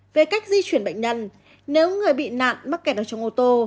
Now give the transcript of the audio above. về cách di chuyển bệnh nhân nếu người bị nạn mắc kẹt ở trong ô tô